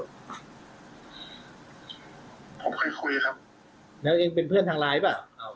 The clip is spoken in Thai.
ผมเคยคุยครับแล้วเองเป็นเพื่อนทางไลน์หรือเปล่า